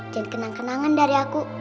dan kenang kenangan dari aku